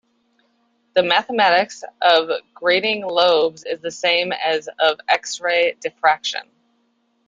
The mathematics of grating lobes is the same as of X-ray diffraction.